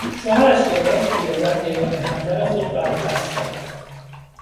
شوهرش که مرد پیرزن یگانه همدم خود را از دست داد.